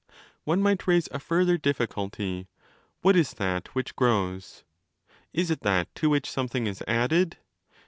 . One might raise a further difficulty. What is ' that which 30 grows ? Is it that to which something is added?